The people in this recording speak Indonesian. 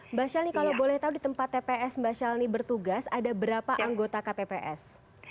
mbak shali kalau boleh tahu di tempat tps mbak shali bertugas ada berapa anggota kpps